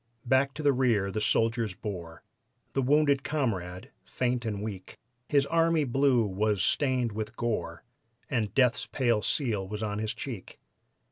Back to the rear the soldiers bore The wounded comrade, faint and weak; His "army blue" was stained with gore, And death's pale seal was on his cheek.